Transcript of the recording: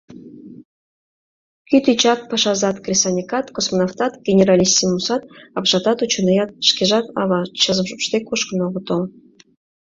Кӱтӱчат, пашазат, кресаньыкат, космонавтат, генералиссимусат, апшатат, учёныят... шкежат, ава, чызым шупшде кушкын огытыл.